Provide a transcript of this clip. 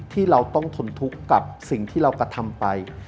ที่เราต้องทนทุกข์กับสิ่งที่เรากระทำไป